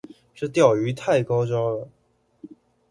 這釣魚太高招了